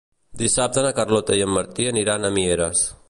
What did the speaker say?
Dissabte na Carlota i en Martí aniran a Mieres.